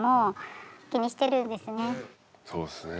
そうですね。